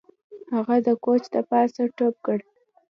هغه د کوچ د پاسه ټوپ کړ